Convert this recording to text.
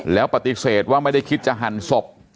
แล้วปฏิเสธว่าไม่ได้คิดจะหั่นศพ